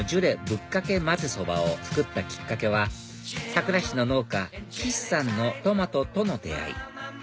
ぶっかけまぜそば」を作ったきっかけは佐倉市の農家岸さんのトマトとの出会い